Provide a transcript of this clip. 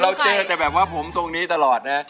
เจอแต่แบบว่าผมทรงนี้ตลอดนะ